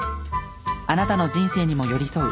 「あなたの人生にも寄り添う」